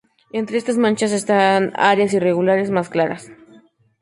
Entre estas manchas están áreas irregulares más claras.